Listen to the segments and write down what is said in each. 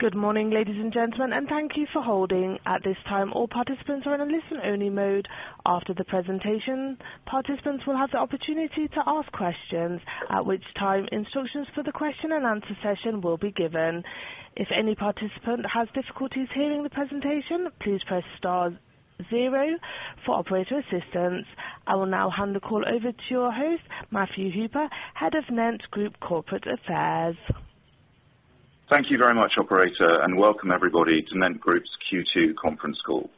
Good morning, ladies and gentlemen, and thank you for holding. At this time, all participants are in a listen-only mode. After the presentation, participants will have the opportunity to ask questions, at which time instructions for the question and answer session will be given. If any participant has difficulties hearing the presentation, please press star zero for operator assistance. I will now hand the call over to your host, Matthew Hooper, Head of NENT Group Corporate Affairs. Thank you very much, operator. Welcome everybody to NENT Group's Q2 conference call.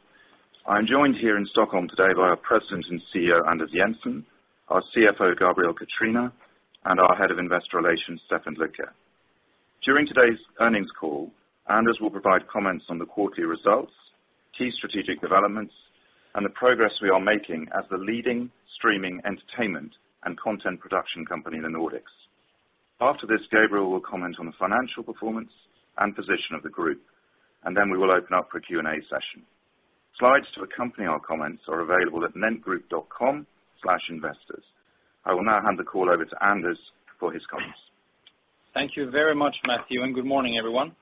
I am joined here in Stockholm today by our President and CEO, Anders Jensen, our CFO, Gabriel Catrina, and our Head of Investor Relations, Stefan Lycke. During today's earnings call, Anders will provide comments on the quarterly results, key strategic developments, and the progress we are making as the leading streaming entertainment and content production company in the Nordics. After this, Gabriel will comment on the financial performance and position of the group, and then we will open up for a Q&A session. Slides to accompany our comments are available at nentgroup.com/investors. I will now hand the call over to Anders for his comments. Thank you very much, Matthew. Good morning, everyone.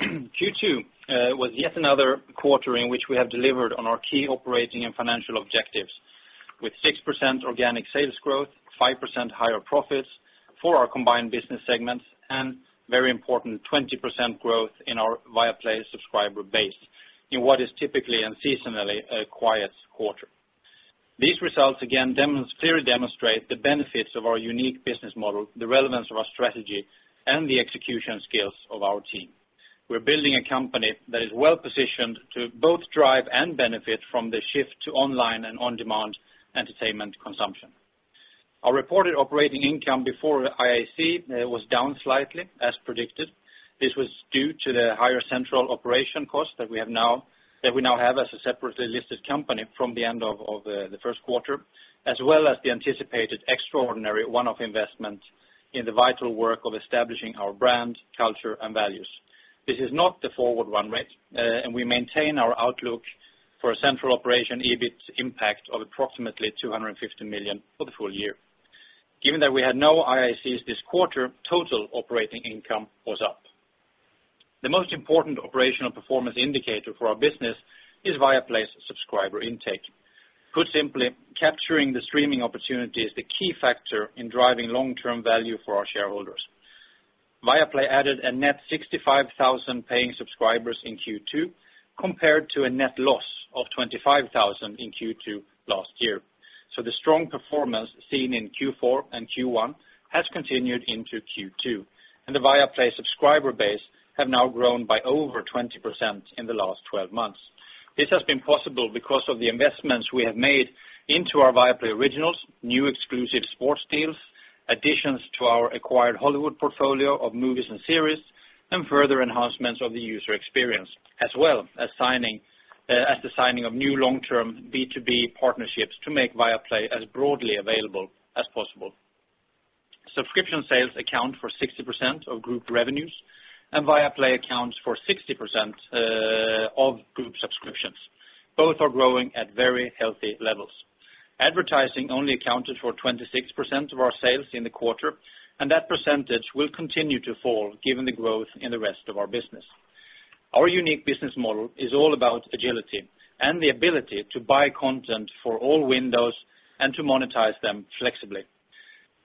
Q2 was yet another quarter in which we have delivered on our key operating and financial objectives with 6% organic sales growth, 5% higher profits for our combined business segments, and very important, 20% growth in our Viaplay subscriber base in what is typically and seasonally a quiet quarter. These results again, clearly demonstrate the benefits of our unique business model, the relevance of our strategy, and the execution skills of our team. We're building a company that is well-positioned to both drive and benefit from the shift to online and on-demand entertainment consumption. Our reported operating income before IAC was down slightly as predicted. This was due to the higher central operation cost that we now have as a separately listed company from the end of the first quarter, as well as the anticipated extraordinary one-off investment in the vital work of establishing our brand, culture, and values. This is not the forward run rate, and we maintain our outlook for a central operation EBIT impact of approximately 250 million for the full year. Given that we had no IACs this quarter, total operating income was up. The most important operational performance indicator for our business is Viaplay subscriber intake. Put simply, capturing the streaming opportunity is the key factor in driving long-term value for our shareholders. Viaplay added a net 65,000 paying subscribers in Q2 compared to a net loss of 25,000 in Q2 last year. the strong performance seen in Q4 and Q1 has continued into Q2, and the Viaplay subscriber base have now grown by over 20% in the last 12 months. This has been possible because of the investments we have made into our Viaplay originals, new exclusive sports deals, additions to our acquired Hollywood portfolio of movies and series, and further enhancements of the user experience, as well as the signing of new long-term B2B partnerships to make Viaplay as broadly available as possible. Subscription sales account for 60% of group revenues, and Viaplay accounts for 60% of group subscriptions. Both are growing at very healthy levels. Advertising only accounted for 26% of our sales in the quarter, that percentage will continue to fall given the growth in the rest of our business. Our unique business model is all about agility and the ability to buy content for all windows and to monetize them flexibly.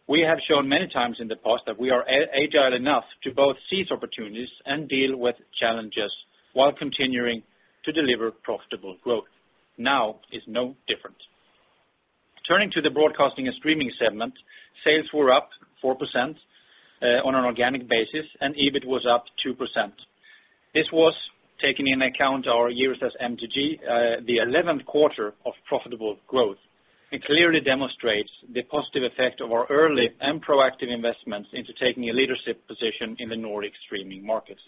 We have shown many times in the past that we are agile enough to both seize opportunities and deal with challenges while continuing to deliver profitable growth. Now is no different. Turning to the broadcasting and streaming segment, sales were up 4% on an organic basis, and EBIT was up 2%. This was taking in account our years as MTG, the 11th quarter of profitable growth. It clearly demonstrates the positive effect of our early and proactive investments into taking a leadership position in the Nordic streaming markets.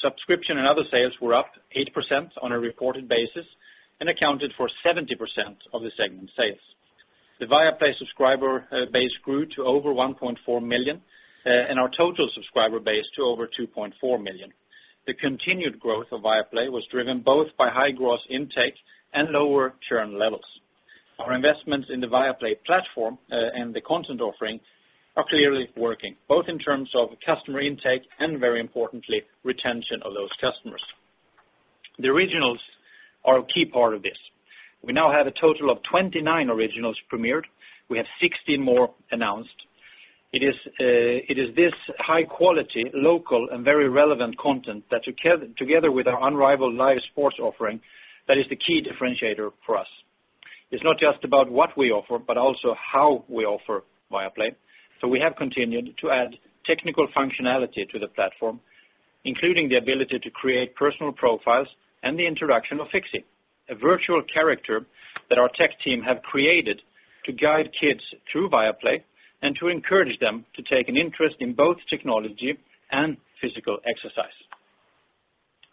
Subscription and other sales were up 8% on a reported basis and accounted for 70% of the segment sales. The Viaplay subscriber base grew to over 1.4 million, and our total subscriber base to over 2.4 million. The continued growth of Viaplay was driven both by high gross intake and lower churn levels. Our investments in the Viaplay platform and the content offering are clearly working, both in terms of customer intake and very importantly, retention of those customers. The originals are a key part of this. We now have a total of 29 originals premiered. We have 16 more announced. It is this high quality, local, and very relevant content that together with our unrivaled live sports offering, that is the key differentiator for us. It's not just about what we offer, but also how we offer Viaplay. we have continued to add technical functionality to the platform, including the ability to create personal profiles and the introduction of Fixi, a virtual character that our tech team have created to guide kids through Viaplay and to encourage them to take an interest in both technology and physical exercise.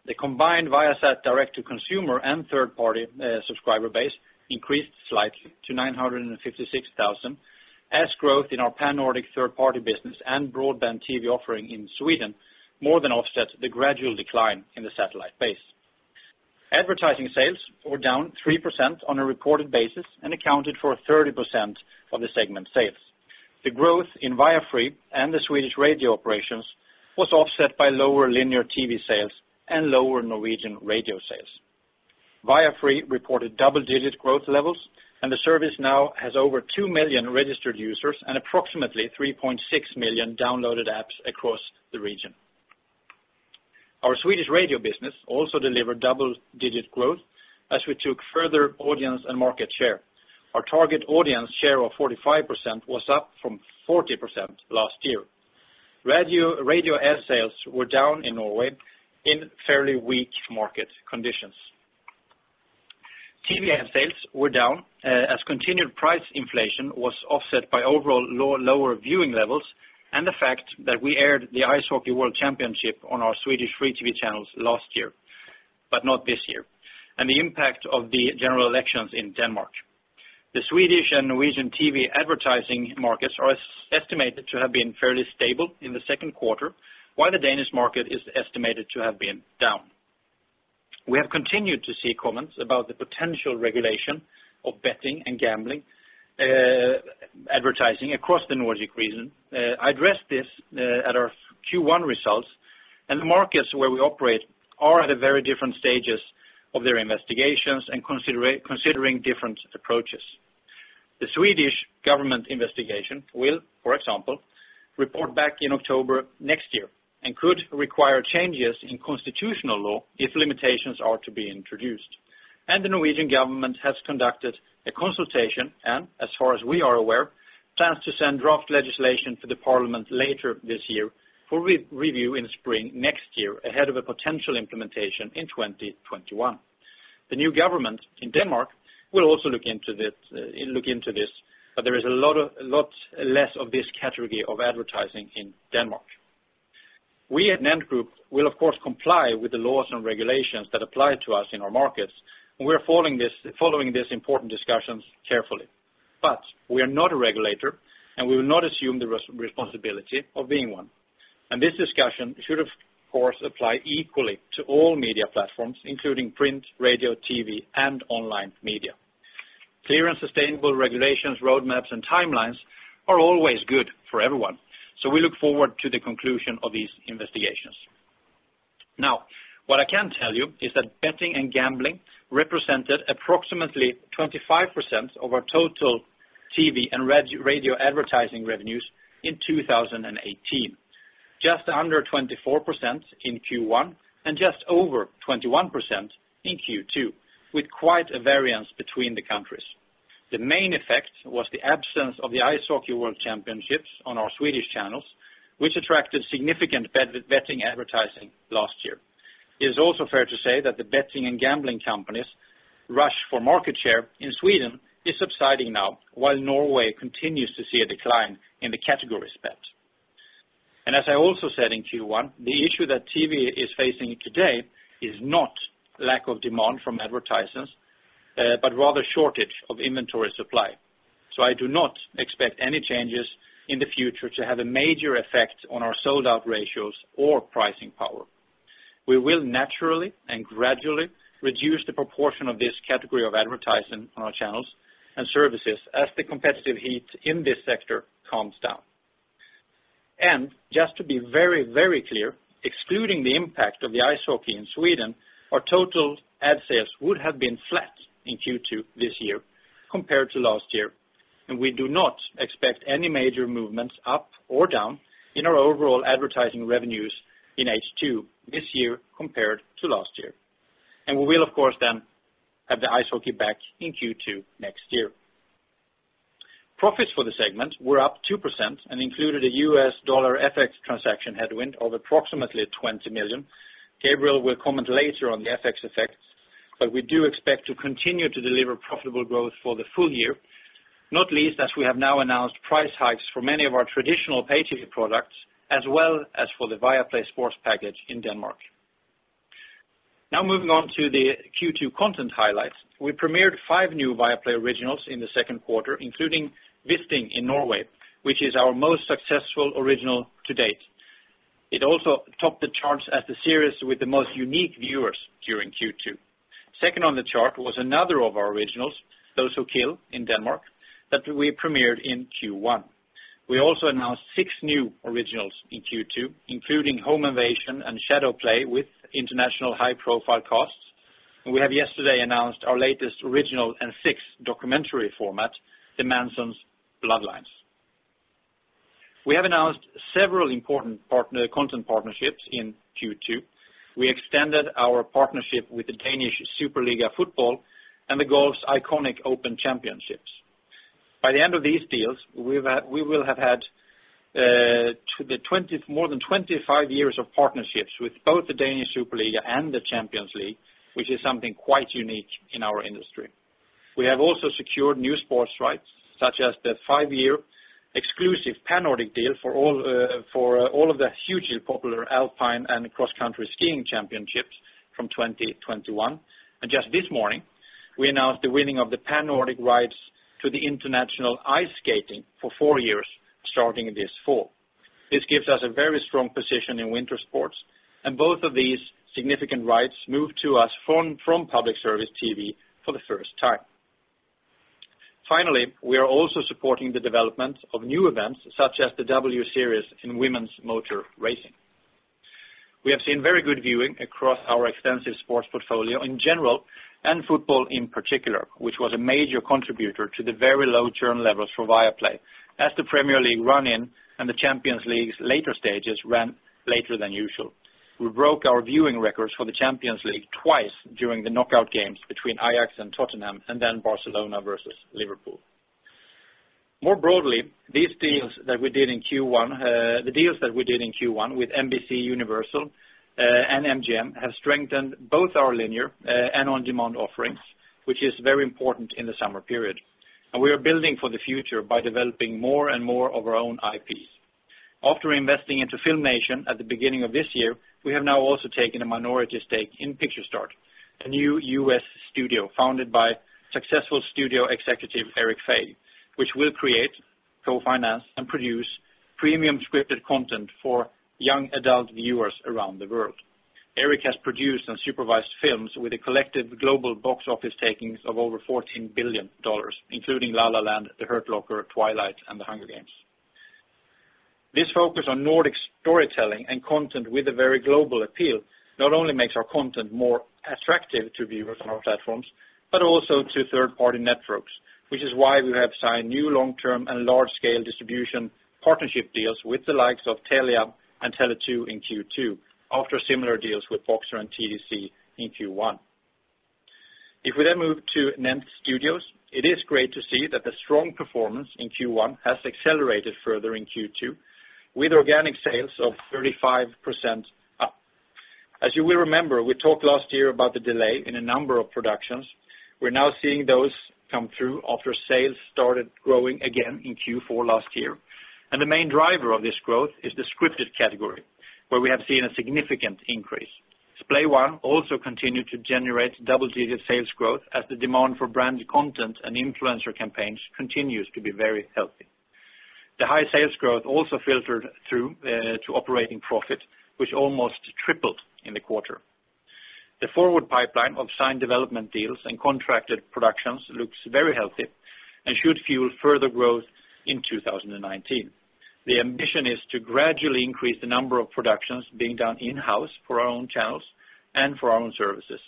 The combined Viasat direct-to-consumer and third-party subscriber base increased slightly to 956,000 as growth in our pan-Nordic third-party business and broadband TV offering in Sweden more than offsets the gradual decline in the satellite base. Advertising sales were down 3% on a reported basis and accounted for 30% of the segment sales. The growth in Viafree and the Swedish radio operations was offset by lower linear TV sales and lower Norwegian radio sales. Viafree reported double-digit growth levels, and the service now has over two million registered users and approximately 3.6 million downloaded apps across the region. Our Swedish radio business also delivered double-digit growth as we took further audience and market share. Our target audience share of 45% was up from 40% last year. Radio ad sales were down in Norway in fairly weak market conditions. TV ad sales were down as continued price inflation was offset by overall lower viewing levels and the fact that we aired the Ice Hockey World Championship on our Swedish free TV channels last year, but not this year, and the impact of the general elections in Denmark. The Swedish and Norwegian TV advertising markets are estimated to have been fairly stable in the second quarter, while the Danish market is estimated to have been down. We have continued to see comments about the potential regulation of betting and gambling advertising across the Nordic region. I addressed this at our Q1 results, the markets where we operate are at very different stages of their investigations and considering different approaches. The Swedish government investigation will, for example, report back in October next year and could require changes in constitutional law if limitations are to be introduced. The Norwegian government has conducted a consultation and, as far as we are aware, plans to send draft legislation to the parliament later this year for review in spring next year ahead of a potential implementation in 2021. The new government in Denmark will also look into this, there is a lot less of this category of advertising in Denmark. We at NENT Group will, of course, comply with the laws and regulations that apply to us in our markets. We are following these important discussions carefully. We are not a regulator, and we will not assume the responsibility of being one. This discussion should, of course, apply equally to all media platforms, including print, radio, TV, and online media. Clear and sustainable regulations, roadmaps, and timelines are always good for everyone. We look forward to the conclusion of these investigations. What I can tell you is that betting and gambling represented approximately 25% of our total TV and radio advertising revenues in 2018. Just under 24% in Q1 and just over 21% in Q2, with quite a variance between the countries. The main effect was the absence of the Ice Hockey World Championships on our Swedish channels, which attracted significant betting advertising last year. It is also fair to say that the betting and gambling companies rush for market share in Sweden is subsiding now, while Norway continues to see a decline in the category spent. As I also said in Q1, the issue that TV is facing today is not lack of demand from advertisers, but rather shortage of inventory supply. I do not expect any changes in the future to have a major effect on our sold-out ratios or pricing power. We will naturally and gradually reduce the proportion of this category of advertising on our channels and services as the competitive heat in this sector calms down. Just to be very, very clear, excluding the impact of the Ice Hockey in Sweden, our total ad sales would have been flat in Q2 this year compared to last year, we do not expect any major movements up or down in our overall advertising revenues in H2 this year compared to last year. We will, of course, then have the Ice Hockey back in Q2 next year. Profits for the segment were up 2% and included a US dollar FX transaction headwind of approximately 20 million. Gabriel will comment later on the FX effects, but we do expect to continue to deliver profitable growth for the full year, not least as we have now announced price hikes for many of our traditional pay-TV products, as well as for the Viaplay Sports package in Denmark. Moving on to the Q2 content highlights. We premiered five new Viaplay originals in the second quarter, including "Visning" in Norway, which is our most successful original to date. It also topped the charts as the series with the most unique viewers during Q2. Second on the chart was another of our originals, "Those Who Kill" in Denmark, that we premiered in Q1. We also announced six new originals in Q2, including "Home Invasion" and "Shadowplay" with international high-profile costs. We have yesterday announced our latest original and sixth documentary format, "Manson's Bloodline." We have announced several important content partnerships in Q2. We extended our partnership with the Danish Superliga and The Open Championship. By the end of these deals, we will have had more than 25 years of partnerships with both the Danish Superliga and the Champions League, which is something quite unique in our industry. We have also secured new sports rights, such as the five-year exclusive pan-Nordic deal for all of the hugely popular Alpine and cross-country skiing championships from 2021. Just this morning, we announced the winning of the pan-Nordic rights to the International Skating Union for four years, starting this fall. This gives us a very strong position in winter sports, and both of these significant rights moved to us from public service TV for the first time. Finally, we are also supporting the development of new events, such as the W Series in women's motor racing. We have seen very good viewing across our extensive sports portfolio in general, and football in particular, which was a major contributor to the very low churn levels for Viaplay as the Premier League run-in and the Champions League's later stages ran later than usual. We broke our viewing records for the Champions League twice during the knockout games between Ajax and Tottenham, then Barcelona versus Liverpool. More broadly, the deals that we did in Q1 with NBCUniversal and MGM have strengthened both our linear and on-demand offerings, which is very important in the summer period. We are building for the future by developing more and more of our own IPs. After investing into FilmNation at the beginning of this year, we have now also taken a minority stake in Picturestart, a new U.S. studio founded by successful studio executive Erik Feig, which will create, co-finance, and produce premium scripted content for young adult viewers around the world. Erik has produced and supervised films with a collective global box office takings of over $14 billion, including "La La Land," "The Hurt Locker," "Twilight," and "The Hunger Games." This focus on Nordic storytelling and content with a very global appeal not only makes our content more attractive to viewers on our platforms, but also to third-party networks, which is why we have signed new long-term and large-scale distribution partnership deals with the likes of Telia and Tele2 in Q2, after similar deals with Boxer and TDC in Q1. If we move to NENT Studios, it is great to see that the strong performance in Q1 has accelerated further in Q2 with organic sales of 35% up. As you will remember, we talked last year about the delay in a number of productions. We are now seeing those come through after sales started growing again in Q4 last year. The main driver of this growth is the scripted category, where we have seen a significant increase. Splay One also continued to generate double-digit sales growth as the demand for branded content and influencer campaigns continues to be very healthy. The high sales growth also filtered through to operating profit, which almost tripled in the quarter. The forward pipeline of signed development deals and contracted productions looks very healthy and should fuel further growth in 2019. The ambition is to gradually increase the number of productions being done in-house for our own channels and for our own services.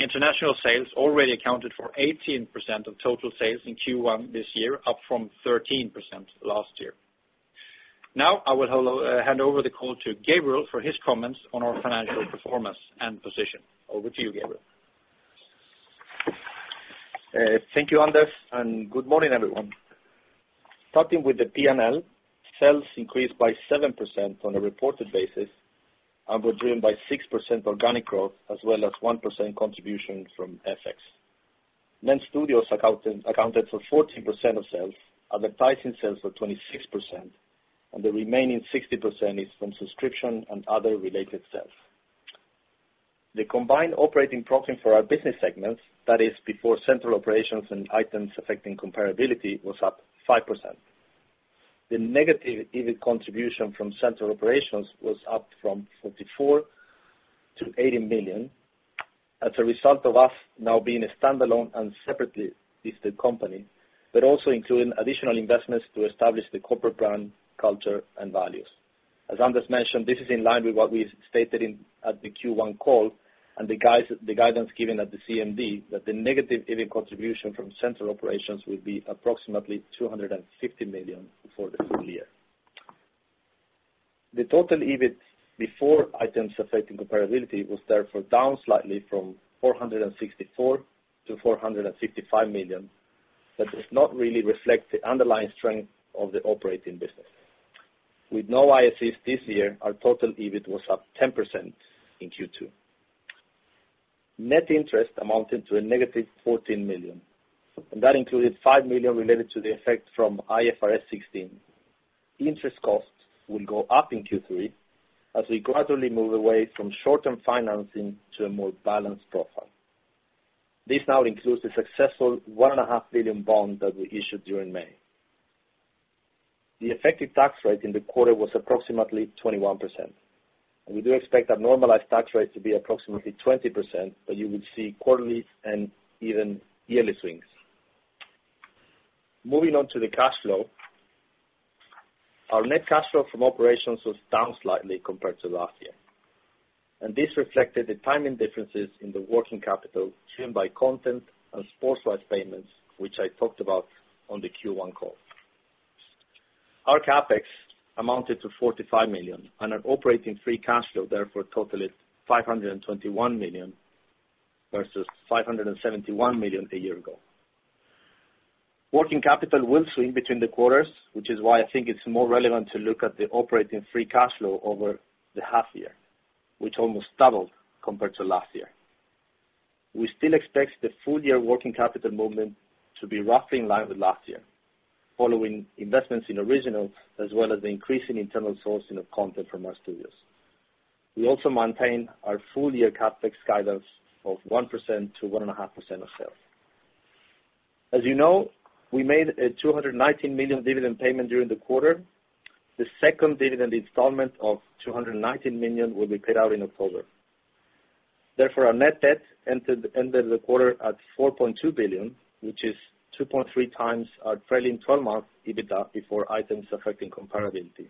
International sales already accounted for 18% of total sales in Q1 this year, up from 13% last year. I will hand over the call to Gabriel for his comments on our financial performance and position. Over to you, Gabriel. Thank you, Anders, and good morning, everyone. Starting with the P&L, sales increased by 7% on a reported basis and were driven by 6% organic growth as well as 1% contribution from FX. NENT Studios accounted for 14% of sales, advertising sales for 26%, and the remaining 60% is from subscription and other related sales. The combined operating profit for our business segments, that is before central operations and Items Affecting Comparability, was up 5%. The negative EBIT contribution from central operations was up from 44 million to 80 million as a result of us now being a standalone and separately listed company, but also including additional investments to establish the corporate brand, culture, and values. As Anders mentioned, this is in line with what we have stated at the Q1 call and the guidance given at the CMD that the negative EBIT contribution from central operations will be approximately 250 million for the full year. The total EBIT before Items Affecting Comparability was therefore down slightly from 464 million to 465 million, but does not really reflect the underlying strength of the operating business. With no IACs this year, our total EBIT was up 10% in Q2. Net interest amounted to a negative 14 million, and that included 5 million related to the effect from IFRS 16. Interest costs will go up in Q3 as we gradually move away from short-term financing to a more balanced profile. This now includes the successful $1.5 billion bond that we issued during May. The effective tax rate in the quarter was approximately 21%. We do expect our normalized tax rate to be approximately 20%. You would see quarterly and even yearly swings. Moving on to the cash flow. Our net cash flow from operations was down slightly compared to last year. This reflected the timing differences in the working capital driven by content and sports rights payments, which I talked about on the Q1 call. Our CapEx amounted to 45 million, and our operating free cash flow therefore totaled 521 million versus 571 million a year ago. Working capital will swing between the quarters, which is why I think it's more relevant to look at the operating free cash flow over the half year, which almost doubled compared to last year. We still expect the full year working capital movement to be roughly in line with last year, following investments in originals as well as the increasing internal sourcing of content from our studios. We also maintain our full-year CapEx guidance of 1%-1.5% of sales. As you know, we made a 219 million dividend payment during the quarter. The second dividend installment of 219 million will be paid out in October. Our net debt ended the quarter at 4.2 billion, which is 2.3x our trailing 12-month EBITDA before Items Affecting Comparability.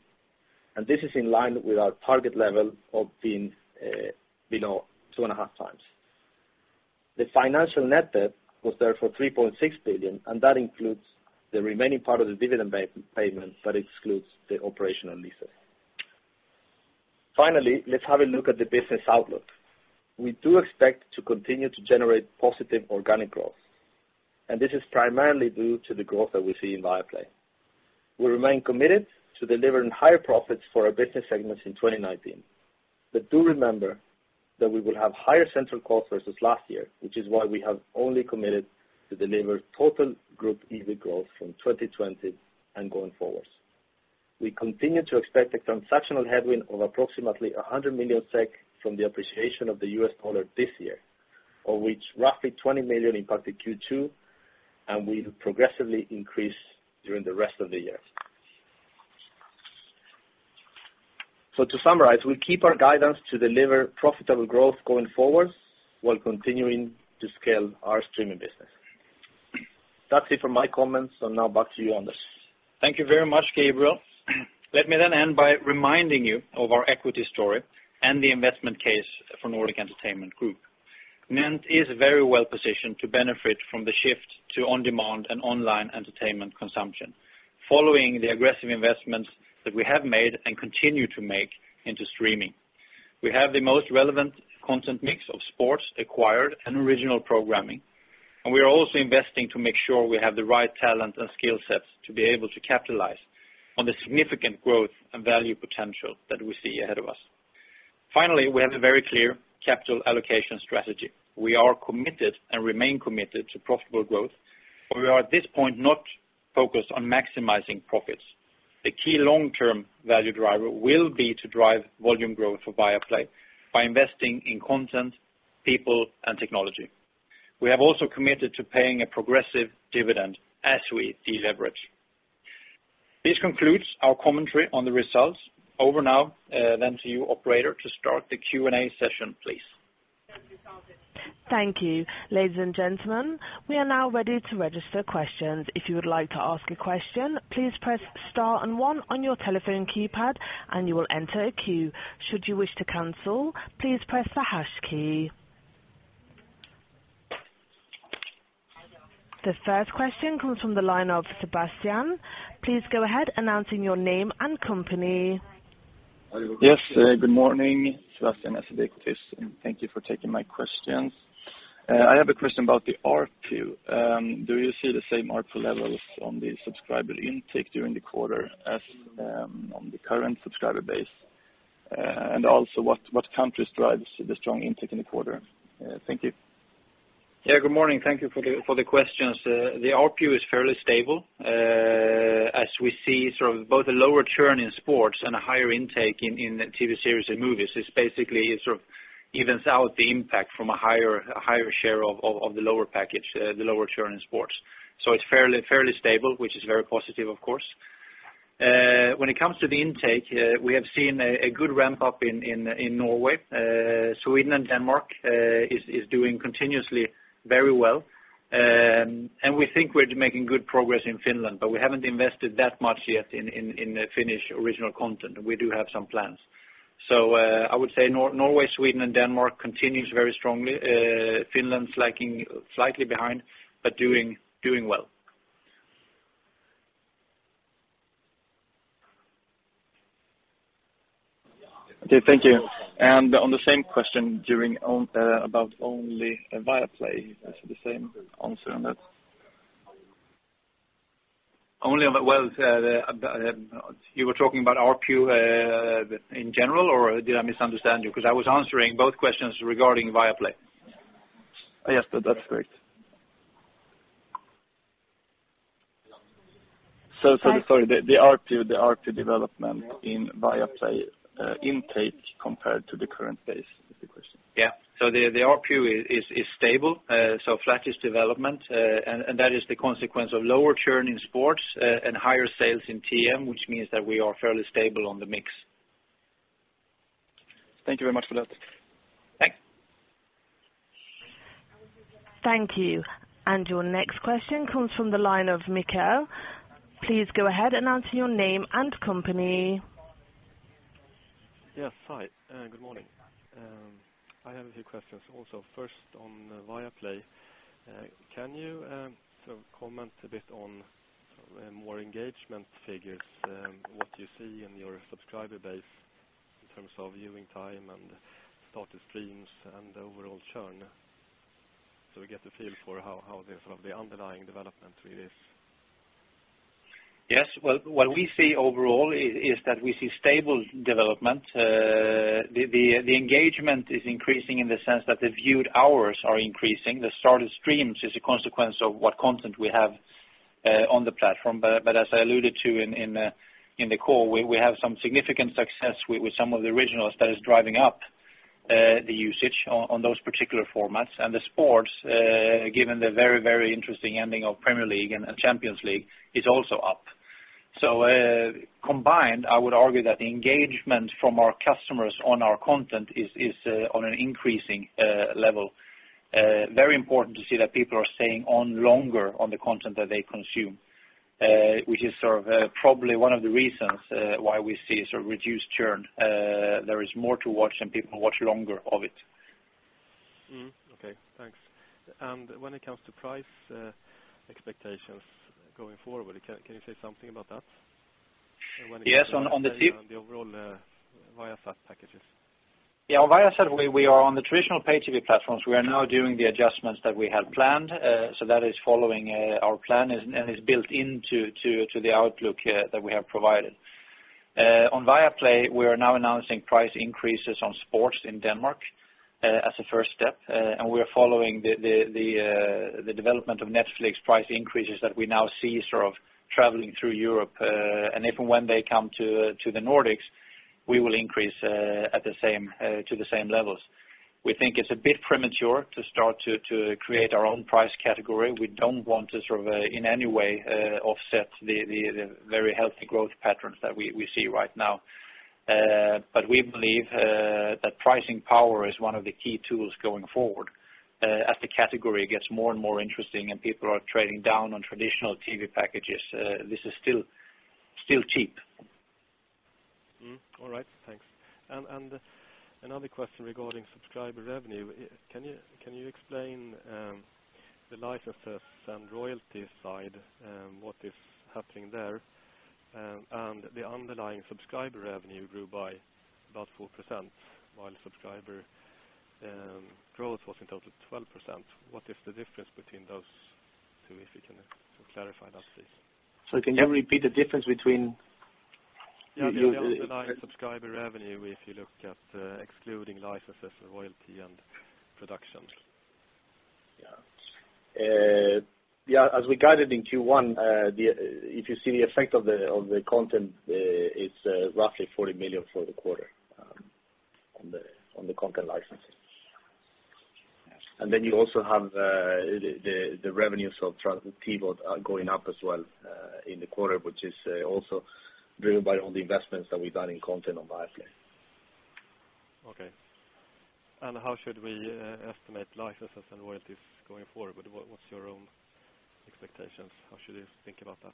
This is in line with our target level of being below 2.5x. The financial net debt was therefore 3.6 billion. That includes the remaining part of the dividend payment, but excludes the operational leases. Finally, let's have a look at the business outlook. We do expect to continue to generate positive organic growth. This is primarily due to the growth that we see in Viaplay. We remain committed to delivering higher profits for our business segments in 2019. Do remember that we will have higher central costs versus last year, which is why we have only committed to deliver total group EBIT growth from 2020 and going forwards. We continue to expect a transactional headwind of approximately 100 million SEK from the appreciation of the US dollar this year, of which roughly 20 million impacted Q2, and will progressively increase during the rest of the year. To summarize, we keep our guidance to deliver profitable growth going forward while continuing to scale our streaming business. That's it for my comments. Now back to you, Anders. Thank you very much, Gabriel. Let me end by reminding you of our equity story and the investment case for Nordic Entertainment Group. NENT is very well-positioned to benefit from the shift to on-demand and online entertainment consumption following the aggressive investments that we have made and continue to make into streaming. We have the most relevant content mix of sports acquired and original programming. We are also investing to make sure we have the right talent and skill sets to be able to capitalize on the significant growth and value potential that we see ahead of us. Finally, we have a very clear capital allocation strategy. We are committed and remain committed to profitable growth, but we are at this point not focused on maximizing profits. The key long-term value driver will be to drive volume growth for Viaplay by investing in content, people, and technology. We have also committed to paying a progressive dividend as we deleverage. This concludes our commentary on the results. Over now to you operator to start the Q&A session, please. Thank you. Ladies and gentlemen, we are now ready to register questions. If you would like to ask a question, please press star one on your telephone keypad and you will enter a queue. Should you wish to cancel, please press the hash key. The first question comes from the line of Sebastian. Please go ahead announcing your name and company. Yes. Good morning, Sebastian. Yes. Thank you for taking my question. I have a question about the ARPU, do you see the same ARPU levels on the subscriber intake during the quarter on the current subscriber base and also what components drives the strong intake in the quarter, thank you. Good morning thank you for the question. The ARPU is very stable as we see of both the lower churn in sports and higher intake in activities movies It is basicly stable which is very positive of course. The same question about only Viaplay, is it the same answer on that? You were talking about ARPU in general, or did I misunderstand you? Because I was answering both questions regarding Viaplay. Yes. That's correct. Sorry, the ARPU development in Viaplay intake compared to the current base is the question. Yeah. The ARPU is stable. Flattish development, that is the consequence of lower churn in sports, higher sales in TM, which means that we are fairly stable on the mix. Thank you very much for that. Thanks. Thank you. Your next question comes from the line of Mikael. Please go ahead, announce your name and company. Yes. Hi, good morning. I have a few questions also, first on Viaplay. Can you comment a bit on more engagement figures, what you see in your subscriber base in terms of viewing time and started streams and overall churn so we get a feel for how the underlying development really is? Yes. Well, what we see overall is that we see stable development. The engagement is increasing in the sense that the viewed hours are increasing. The started streams is a consequence of what content we have on the platform. As I alluded to in the call, we have some significant success with some of the originals that is driving up the usage on those particular formats and the sports, given the very interesting ending of Premier League and Champions League, is also up. Combined, I would argue that the engagement from our customers on our content is on an increasing level. Very important to see that people are staying on longer on the content that they consume, which is sort of probably one of the reasons why we see reduced churn. There is more to watch, and people watch longer of it. Okay, thanks. When it comes to price expectations going forward, can you say something about that? Yes, on the tip- The overall Viasat packages. Viasat, we are on the traditional pay TV platforms. We are now doing the adjustments that we had planned. That is following our plan and is built into the outlook that we have provided. On Viaplay, we are now announcing price increases on sports in Denmark as a first step, and we are following the development of Netflix price increases that we now see sort of traveling through Europe. If and when they come to the Nordics, we will increase to the same levels. We think it's a bit premature to start to create our own price category. We don't want to, sort of, in any way, offset the very healthy growth patterns that we see right now. We believe that pricing power is one of the key tools going forward. As the category gets more and more interesting and people are trading down on traditional TV packages, this is still cheap. All right, thanks. Another question regarding subscriber revenue. Can you explain the licenses and royalty side, what is happening there? The underlying subscriber revenue grew by about 4%, while subscriber growth was in total 12%. What is the difference between those two, if you can clarify that, please? Can you repeat the difference between The underlying subscriber revenue, if you look at excluding licenses, royalty, and productions. As we guided in Q1, if you see the effect of the content, it is roughly 40 million for the quarter on the content licensing. Then you also have the revenues of TVOD are going up as well in the quarter, which is also driven by all the investments that we have done in content on Viaplay. How should we estimate licenses and royalties going forward? What is your own expectations? How should you think about that?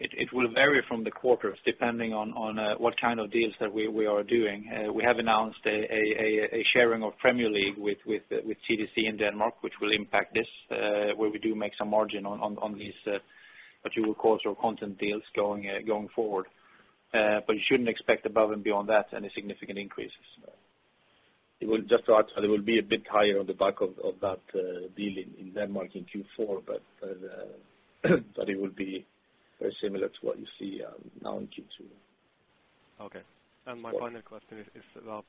It will vary from the quarters, depending on what kind of deals that we are doing. We have announced a sharing of Premier League with TDC in Denmark, which will impact this, where we do make some margin on these, what you would call content deals going forward. You shouldn't expect above and beyond that any significant increases. Just to add, it will be a bit higher on the back of that deal in Denmark in Q4, it will be very similar to what you see now in Q2. Okay. My final question is about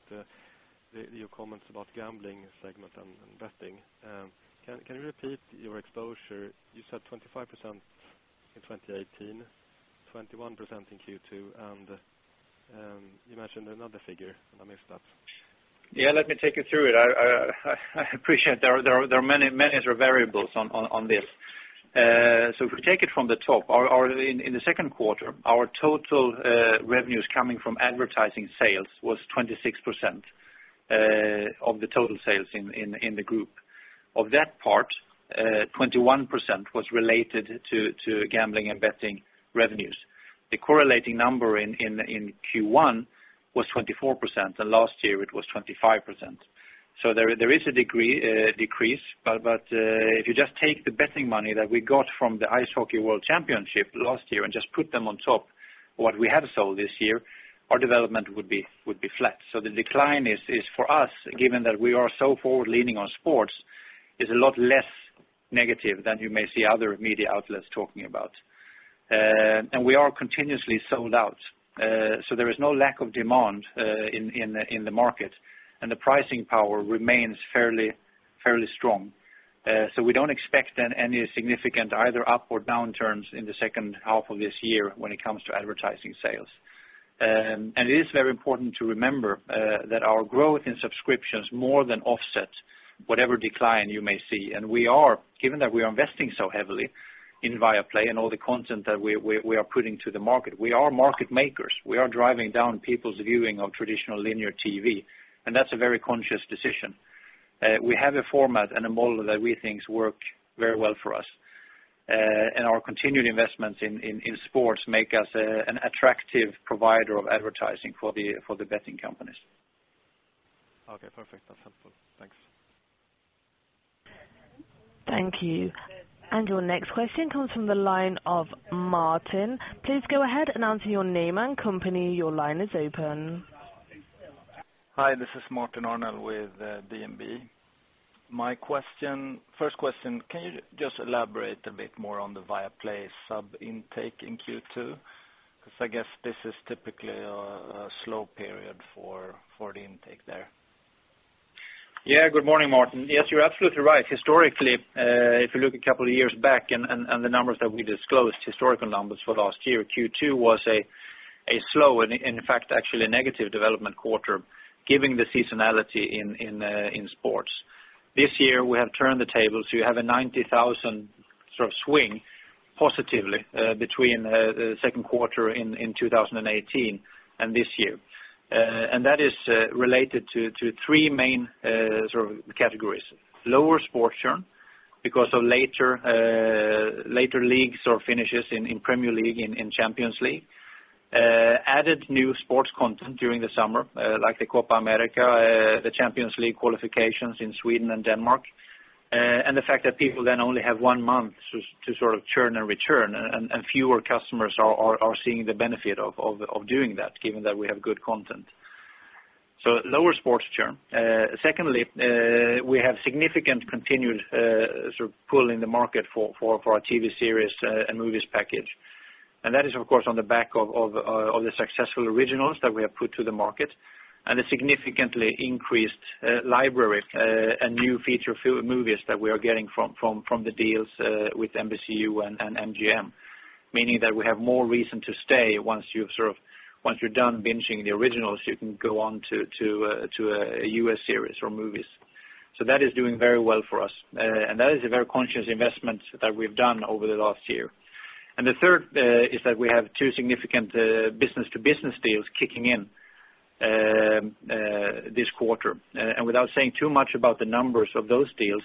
your comments about gambling segment and betting. Can you repeat your exposure? You said 25% in 2018, 21% in Q2, you mentioned another figure, I missed that. Yeah, let me take you through it. I appreciate there are many variables on this. If we take it from the top, in the second quarter, our total revenues coming from advertising sales was 26% of the total sales in the group. Of that part, 21% was related to gambling and betting revenues. The correlating number in Q1 was 24%, last year it was 25%. There is a decrease, if you just take the betting money that we got from the Ice Hockey World Championship last year and just put them on top of what we have sold this year, our development would be flat. The decline is for us, given that we are so forward-leaning on sports, is a lot less negative than you may see other media outlets talking about. We are continuously sold out. There is no lack of demand in the market, the pricing power remains fairly strong. We don't expect then any significant either up or downturns in the second half of this year when it comes to advertising sales. It is very important to remember that our growth in subscriptions more than offset whatever decline you may see. Given that we are investing so heavily in Viaplay and all the content that we are putting to the market, we are market makers. We are driving down people's viewing of traditional linear TV, that's a very conscious decision. We have a format and a model that we think work very well for us. Our continued investments in sports make us an attractive provider of advertising for the betting companies. Perfect. That's helpful. Thanks. Thank you. Your next question comes from the line of Martin. Please go ahead and announce your name and company. Your line is open. Hi, this is Martin Arnell with DNB. First question, can you just elaborate a bit more on the Viaplay sub intake in Q2? I guess this is typically a slow period for the intake there. Good morning, Martin. Yes, you are absolutely right. Historically, if you look a couple of years back and the numbers that we disclosed, historical numbers for last year, Q2 was a slow, and in fact, actually a negative development quarter, given the seasonality in sports. This year, we have turned the tables. You have a 90,000 sort of swing positively between the second quarter in 2018 and this year. That is related to three main categories. Lower sports churn because of later league finishes in Premier League and Champions League. Added new sports content during the summer, like the Copa América, the Champions League qualifications in Sweden and Denmark, and the fact that people then only have one month to sort of churn and return, and fewer customers are seeing the benefit of doing that, given that we have good content. Lower sports churn. Secondly, we have significant continued pull in the market for our TV series and movies package. That is, of course, on the back of the successful originals that we have put to the market and the significantly increased library and new feature movies that we are getting from the deals with NBCU and MGM, meaning that we have more reason to stay. Once you are done binging the originals, you can go on to a U.S. series or movies. That is doing very well for us, and that is a very conscious investment that we have done over the last year. The third is that we have two significant business-to-business deals kicking in this quarter. Without saying too much about the numbers of those deals,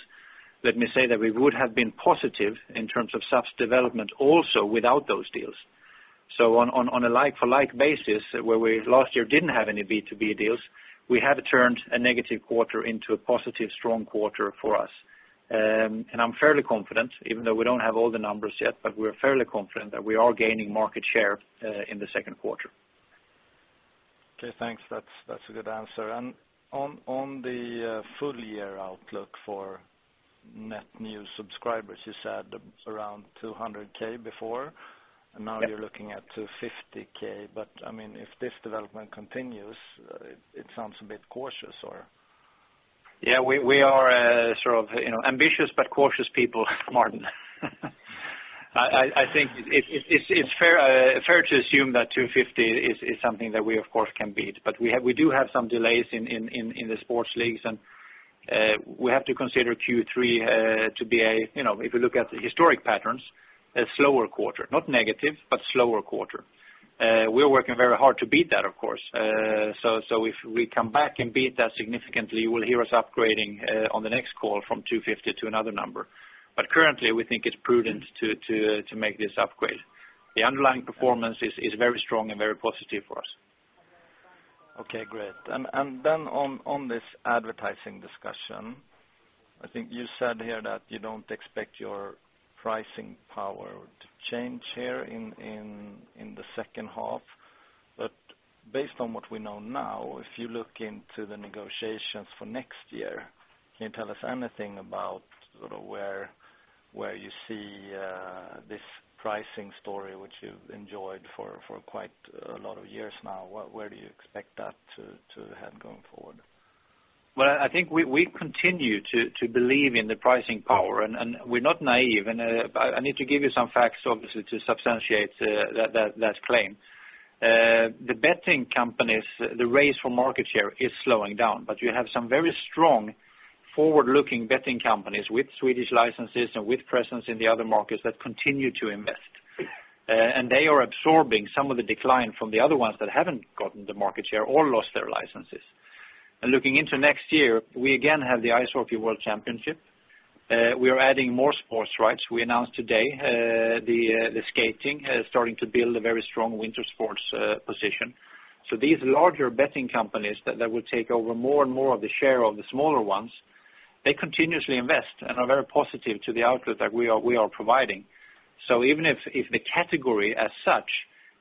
let me say that we would have been positive in terms of subs development also without those deals. On a like-for-like basis, where we last year didn't have any B2B deals, we have turned a negative quarter into a positive, strong quarter for us. I am fairly confident, even though we do not have all the numbers yet, but we are fairly confident that we are gaining market share in the second quarter. Okay, thanks. That is a good answer. On the full-year outlook for net new subscribers, you said around 200K before, and now you are looking at 250K. If this development continues, it sounds a bit cautious. We are sort of ambitious but cautious people, Martin. I think it's fair to assume that 250 is something that we of course can beat, but we do have some delays in the sports leagues, and we have to consider Q3 to be a, if you look at the historic patterns, a slower quarter. Not negative, but slower quarter. We're working very hard to beat that, of course. If we come back and beat that significantly, you will hear us upgrading on the next call from 250 to another number. Currently, we think it's prudent to make this upgrade. The underlying performance is very strong and very positive for us. Okay, great. On this advertising discussion, I think you said here that you don't expect your pricing power to change here in the second half. Based on what we know now, if you look into the negotiations for next year, can you tell us anything about where you see this pricing story which you've enjoyed for quite a lot of years now? Where do you expect that to head going forward? Well, I think we continue to believe in the pricing power, and we're not naive, I need to give you some facts, obviously, to substantiate that claim. The betting companies, the race for market share is slowing down, you have some very strong forward-looking betting companies with Swedish licenses and with presence in the other markets that continue to invest. They are absorbing some of the decline from the other ones that haven't gotten the market share or lost their licenses. Looking into next year, we again have the Ice Hockey World Championship. We are adding more sports rights. We announced today the skating, starting to build a very strong winter sports position. These larger betting companies that will take over more and more of the share of the smaller ones, they continuously invest and are very positive to the outlet that we are providing. Even if the category as such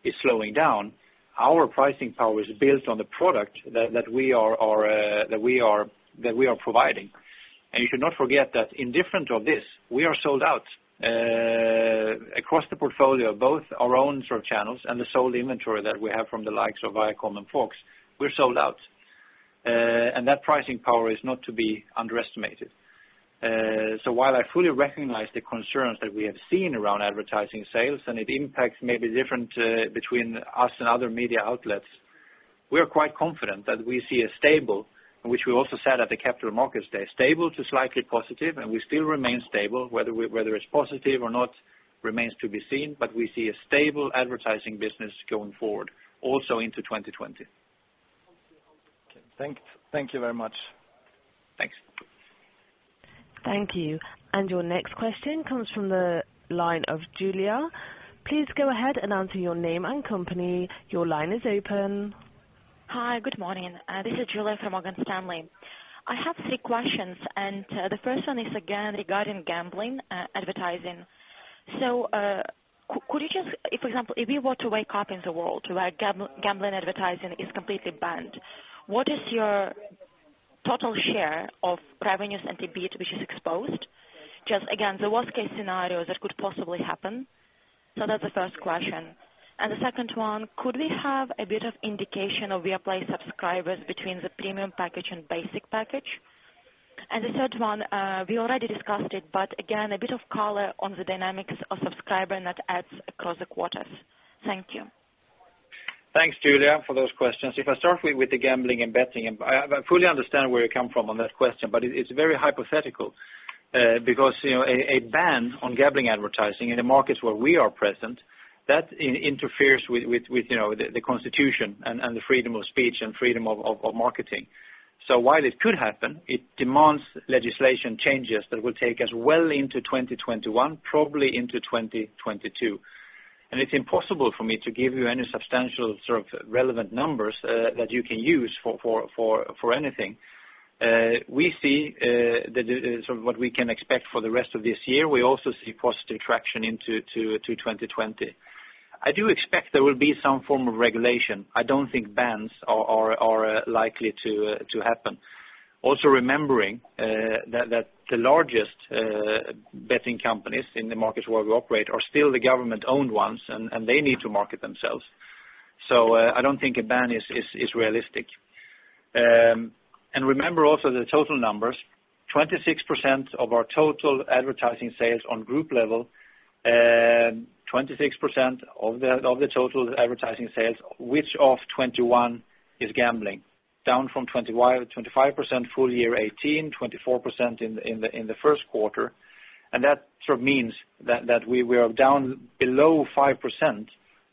is slowing down, our pricing power is built on the product that we are providing. You should not forget that indifferent of this, we are sold out across the portfolio, both our own channels and the sold inventory that we have from the likes of Viacom and Fox. We're sold out. That pricing power is not to be underestimated. While I fully recognize the concerns that we have seen around advertising sales, it impacts maybe different between us and other media outlets, we are quite confident that we see a stable, which we also said at the capital markets day, stable to slightly positive, we still remain stable. Whether it's positive or not remains to be seen, we see a stable advertising business going forward, also into 2020. Okay. Thank you very much. Thanks. Thank you. Your next question comes from the line of Julia. Please go ahead and announce your name and company. Your line is open. Hi, good morning. This is Julia from Morgan Stanley. I have three questions. The first one is again regarding gambling advertising. Could you just, if, for example, if you were to wake up in the world where gambling advertising is completely banned, what is your total share of revenues and EBIT which is exposed? Just again, the worst-case scenario that could possibly happen. So that's the first question. The second one, could we have a bit of indication of Viaplay subscribers between the premium package and basic package? The third one, we already discussed it, but again, a bit of color on the dynamics of subscriber net adds across the quarters. Thank you. Thanks, Julia, for those questions. If I start with the gambling and betting, I fully understand where you're coming from on that question, it's very hypothetical. A ban on gambling advertising in the markets where we are present, that interferes with the constitution and the freedom of speech and freedom of marketing. While it could happen, it demands legislation changes that will take us well into 2021, probably into 2022. It's impossible for me to give you any substantial sort of relevant numbers that you can use for anything. We see what we can expect for the rest of this year. We also see positive traction into 2020. I do expect there will be some form of regulation. I don't think bans are likely to happen. Remembering that the largest betting companies in the markets where we operate are still the government-owned ones, and they need to market themselves. I don't think a ban is realistic. Remember also the total numbers, 26% of our total advertising sales on group level, 26% of the total advertising sales, which is 21% gambling, down from 25% full year 2018, 24% in the first quarter, that sort of means that we are down below 5%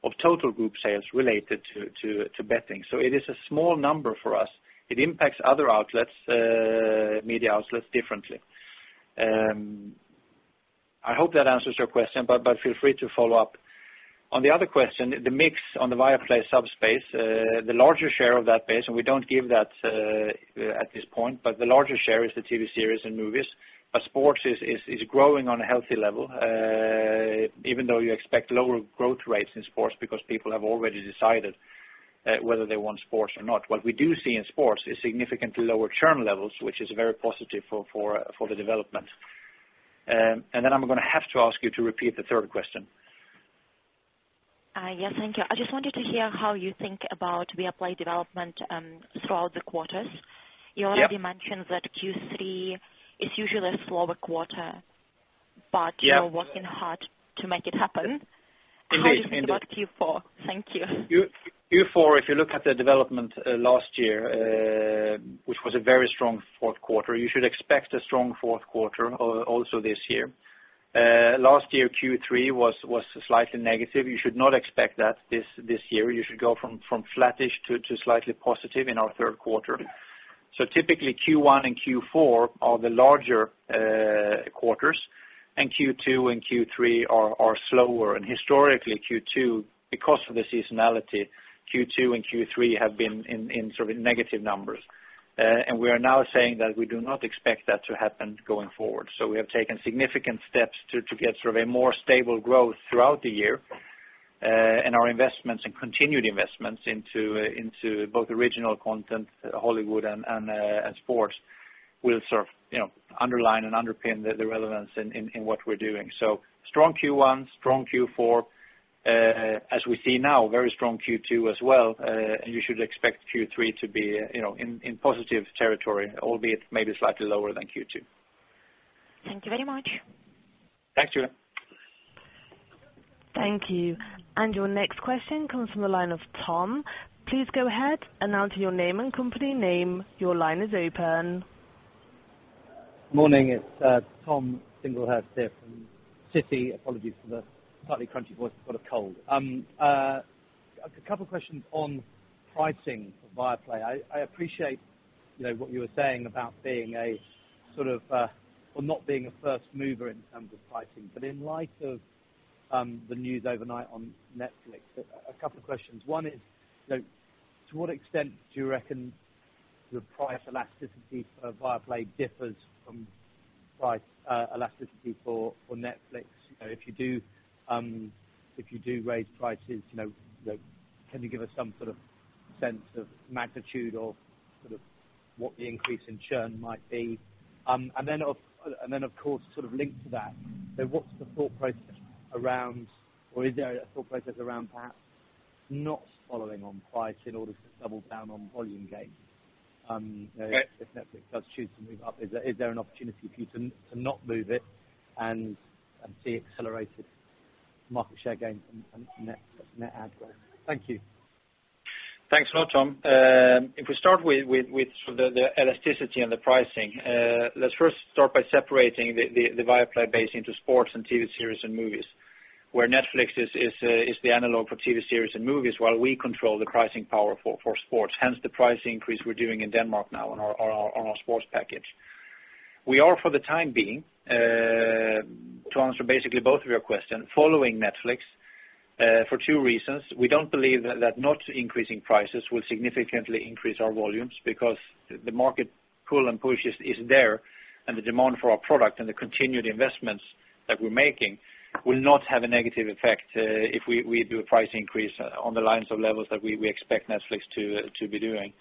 of total group sales related to betting. It is a small number for us. It impacts other media outlets differently. I hope that answers your question, but feel free to follow up. On the other question, the mix on the Viaplay subspace, the larger share of that base, and we don't give that at this point, but the larger share is the TV series and movies. Sports is growing on a healthy level, even though you expect lower growth rates in sports because people have already decided whether they want sports or not. What we do see in sports is significantly lower churn levels, which is very positive for the development. I'm going to have to ask you to repeat the third question. Yes. Thank you. I just wanted to hear how you think about Viaplay development throughout the quarters. Yeah. You already mentioned that Q3 is usually a slower quarter. Yeah You're working hard to make it happen. Indeed. How does it look, Q4? Thank you. Q4, if you look at the development last year, which was a very strong fourth quarter, you should expect a strong fourth quarter also this year. Last year, Q3 was slightly negative. You should not expect that this year. You should go from flattish to slightly positive in our third quarter. Typically, Q1 and Q4 are the larger quarters, and Q2 and Q3 are slower. Historically, because of the seasonality, Q2 and Q3 have been in sort of negative numbers. We are now saying that we do not expect that to happen going forward. We have taken significant steps to get sort of a more stable growth throughout the year. Our investments and continued investments into both original content, Hollywood, and sports will sort of underline and underpin the relevance in what we're doing. Strong Q1, strong Q4. We see now, very strong Q2 as well, you should expect Q3 to be in positive territory, albeit maybe slightly lower than Q2. Thank you very much. Thanks, Julia. Thank you. Your next question comes from the line of Tom. Please go ahead and announce your name and company name. Your line is open. Morning. It's Tom Singlehurst here from Citi. Apologies for the slightly crunchy voice. I've got a cold. A couple questions on pricing for Viaplay. I appreciate what you were saying about not being a first mover in terms of pricing. In light of the news overnight on Netflix, a couple of questions. One is, to what extent do you reckon the price elasticity for Viaplay differs from price elasticity for Netflix? If you do raise prices, can you give us some sort of sense of magnitude or sort of what the increase in churn might be? Then, of course, sort of linked to that, what's the thought process around, or is there a thought process around perhaps not following on price in order to double down on volume gains? Okay. If Netflix does choose to move up, is there an opportunity for you to not move it and see accelerated market share gains and net add growth? Thank you. Thanks a lot, Tom. We start with the elasticity and the pricing, let's first start by separating the Viaplay base into sports and TV series and movies, where Netflix is the analog for TV series and movies, while we control the pricing power for sports, hence the price increase we're doing in Denmark now on our sports package. We are, for the time being, to answer basically both of your questions, following Netflix for two reasons. We don't believe that not increasing prices will significantly increase our volumes because the market pull and push is there, and the demand for our product and the continued investments that we're making will not have a negative effect if we do a price increase on the lines of levels that we expect Netflix to be doing.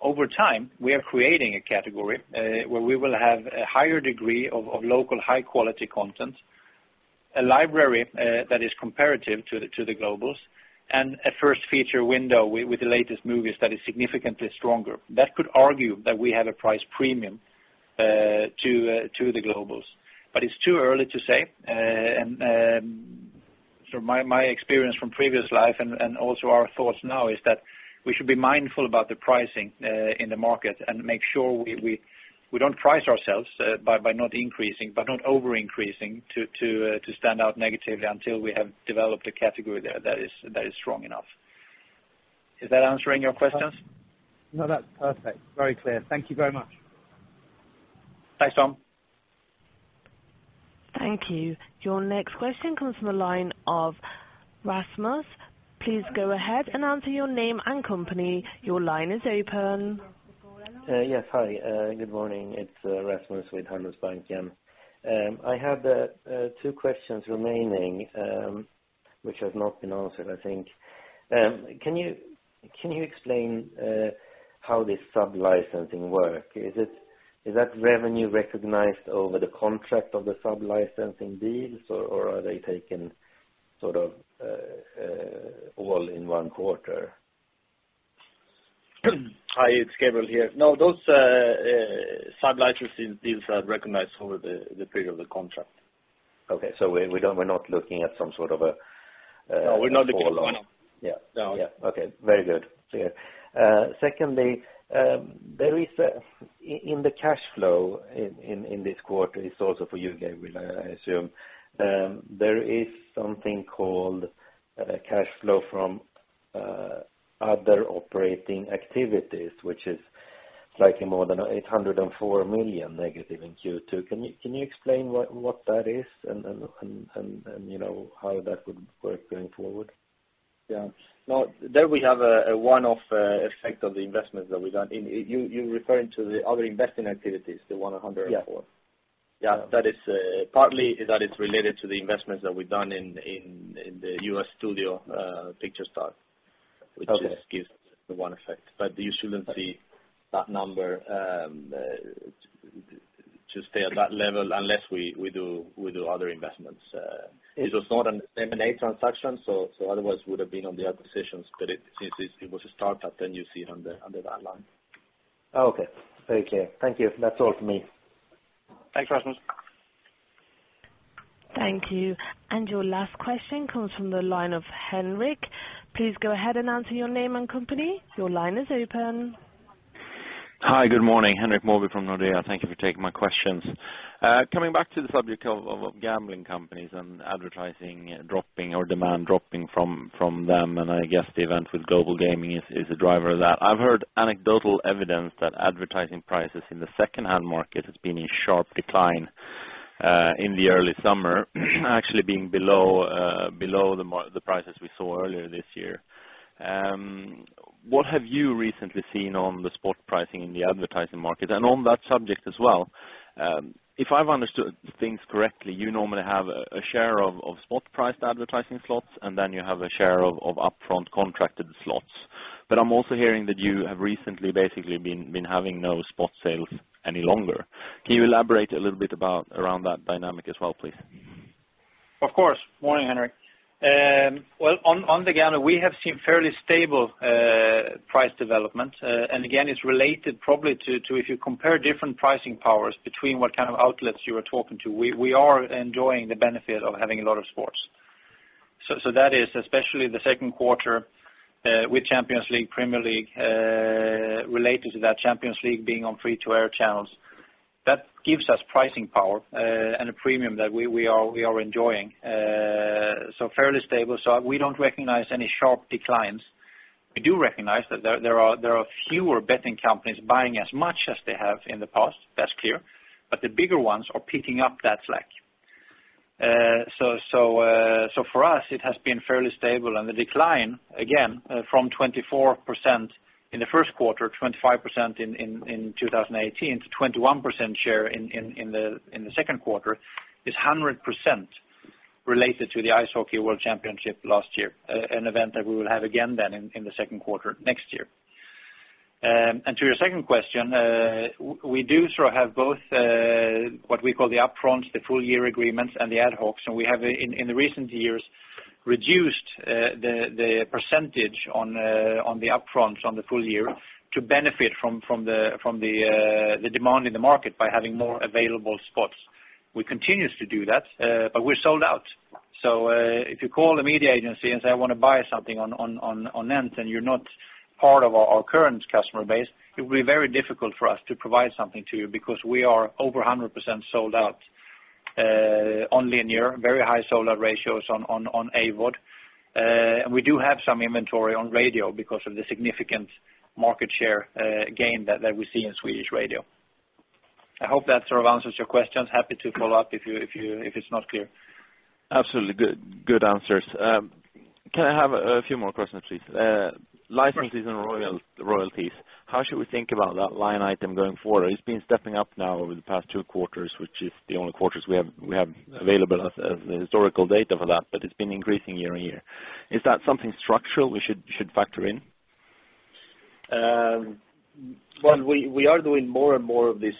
Over time, we are creating a category where we will have a higher degree of local high-quality content, a library that is comparative to the globals, and a first-feature window with the latest movies that is significantly stronger. That could argue that we have a price premium to the globals. It's too early to say. My experience from previous life and also our thoughts now is that we should be mindful about the pricing in the market and make sure we don't price ourselves by not over-increasing to stand out negatively until we have developed a category there that is strong enough. Is that answering your questions? That's perfect. Very clear. Thank you very much. Thanks, Tom. Thank you. Your next question comes from the line of Rasmus. Please go ahead and state your name and company. Your line is open. Yes, hi. Good morning. It's Rasmus with Handelsbanken. I have two questions remaining which have not been answered, I think. Can you explain how this sub-licensing work? Is that revenue recognized over the contract of the sub-licensing deals, or are they taken all in one quarter? Hi, it's Gabriel here. Those sub-licensing deals are recognized over the period of the contract. Okay. We're not looking at some sort of. No, we're not looking at one-off. Okay. Very good. Secondly, in the cash flow in this quarter, it's also for you, Gabriel, I assume. There is something called cash flow from other operating activities, which is slightly more than 804 million negative in Q2. Can you explain what that is and how that would work going forward? Now, there we have a one-off effect of the investment that we done. You're referring to the other investing activities, the 104. Yeah. Yeah. That is partly that it's related to the investments that we've done in the U.S. studio, Picturestart. Okay. Which just gives the one effect. You shouldn't see that number to stay at that level unless we do other investments. It was not an M&A transaction, otherwise would have been on the acquisitions, since it was a start-up, you see it under that line. Okay. Very clear. Thank you. That's all for me. Thanks, Rasmus. Thank you. Your last question comes from the line of Henrik. Please go ahead and answer your name and company. Your line is open. Hi, good morning. Henrik Mori from Nordea. Thank you for taking my questions. Coming back to the subject of gambling companies and advertising dropping or demand dropping from them, I guess the event with Global Gaming is a driver of that. I've heard anecdotal evidence that advertising prices in the second-hand market has been in sharp decline in the early summer, actually being below the prices we saw earlier this year. What have you recently seen on the spot pricing in the advertising market? On that subject as well, if I've understood things correctly, you normally have a share of spot-priced advertising slots, then you have a share of upfront contracted slots. I'm also hearing that you have recently basically been having no spot sales any longer. Can you elaborate a little bit around that dynamic as well, please? Of course. Morning, Henrik. Well, on the gamba, we have seen fairly stable price development. Again, it's related probably to if you compare different pricing powers between what kind of outlets you are talking to. We are enjoying the benefit of having a lot of sports. That is especially the second quarter with Champions League, Premier League, related to that Champions League being on free-to-air channels. That gives us pricing power and a premium that we are enjoying. Fairly stable. We don't recognize any sharp declines. We do recognize that there are fewer betting companies buying as much as they have in the past. That's clear. The bigger ones are picking up that slack. For us, it has been fairly stable. The decline, again, from 24% in the first quarter, 25% in 2018, to 21% share in the second quarter, is 100% related to the Ice Hockey World Championship last year, an event that we will have again then in the second quarter next year. To your second question, we do sort of have both what we call the upfront, the full year agreements, and the ad hoc. We have, in the recent years, reduced the percentage on the upfront, on the full year, to benefit from the demand in the market by having more available spots. We continues to do that, but we're sold out. If you call a media agency and say, "I want to buy something on NENT," and you're not part of our current customer base, it will be very difficult for us to provide something to you because we are over 100% sold out on linear, very high sold-out ratios on AVOD. We do have some inventory on radio because of the significant market share gain that we see in Swedish radio. I hope that sort of answers your questions. Happy to follow up if it's not clear. Absolutely. Good answers. Can I have a few more questions, please? Sure. Licenses and royalties. How should we think about that line item going forward? It's been stepping up now over the past two quarters, which is the only quarters we have available as the historical data for that, but it's been increasing year-on-year. Is that something structural we should factor in? We are doing more and more of these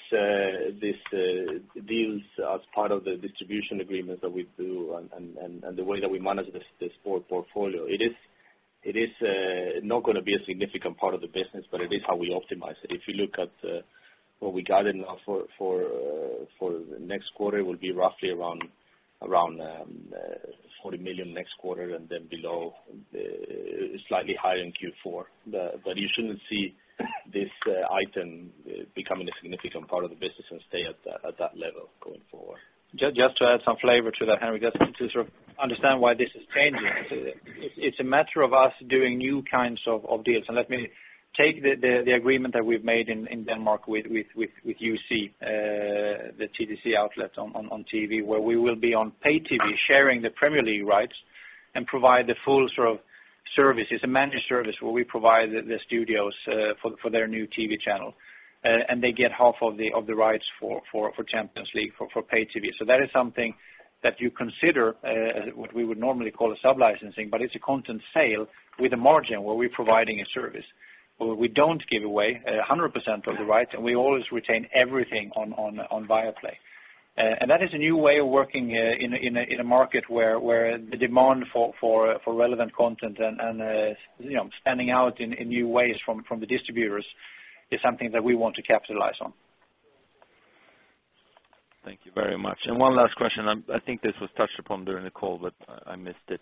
deals as part of the distribution agreements that we do and the way that we manage this whole portfolio. It is not going to be a significant part of the business, but it is how we optimize it. If you look at what we guided now for the next quarter, it will be roughly around 40 million next quarter and then below, slightly higher in Q4. You shouldn't see this item becoming a significant part of the business and stay at that level going forward. Just to add some flavor to that, Henrik, just to sort of understand why this is changing. It's a matter of us doing new kinds of deals. Let me take the agreement that we've made in Denmark with YouSee, the TDC outlet on TV, where we will be on pay TV sharing the Premier League rights and provide the full sort of services, a managed service where we provide the studios for their new TV channel. They get half of the rights for Champions League for pay TV. That is something that you consider, what we would normally call a sub-licensing, but it's a content sale with a margin where we're providing a service, where we don't give away 100% of the rights, and we always retain everything on Viaplay. That is a new way of working in a market where the demand for relevant content and standing out in new ways from the distributors is something that we want to capitalize on. Thank you very much. One last question. I think this was touched upon during the call, but I missed it.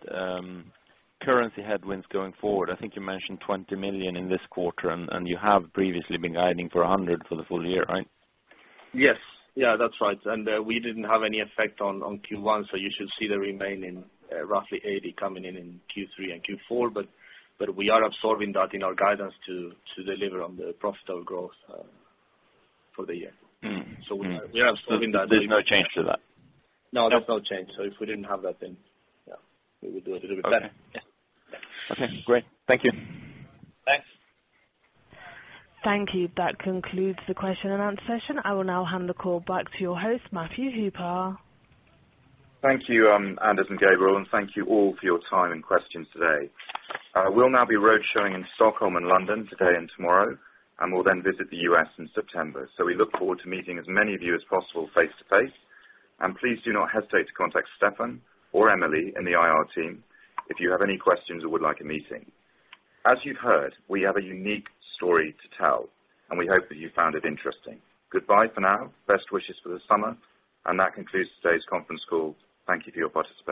Currency headwinds going forward. I think you mentioned 20 million in this quarter, and you have previously been guiding for 100 million for the full year, right? Yes. That's right. We didn't have any effect on Q1, so you should see the remaining roughly 80 million coming in in Q3 and Q4. We are absorbing that in our guidance to deliver on the profitable growth for the year. We are absorbing that. There's no change to that? No, there's no change. If we didn't have that, then we would do a little bit better. Okay. Great. Thank you. Thanks. Thank you. That concludes the question and answer session. I will now hand the call back to your host, Matthew Hooper. Thank you, Anders and Gabriel. Thank you all for your time and questions today. We'll now be road showing in Stockholm and London today and tomorrow. We'll then visit the U.S. in September. We look forward to meeting as many of you as possible face to face. Please do not hesitate to contact Stefan or Emily in the IR team if you have any questions or would like a meeting. As you've heard, we have a unique story to tell, and we hope that you found it interesting. Goodbye for now. Best wishes for the summer. That concludes today's conference call. Thank you for your participation.